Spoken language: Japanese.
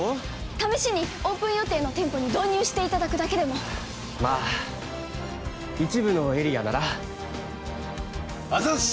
試しにオープン予定の店舗に導入していただくだけでもまあ一部のエリアならあざっす！